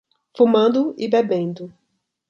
Fumando e bebendo